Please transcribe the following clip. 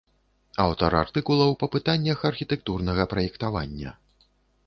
Аўтар артыкулаў па пытаннях архітэктурнага праектавання.